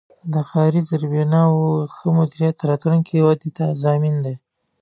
د ښاري زیربناوو ښه مدیریت د راتلونکې ودې ضامن دی.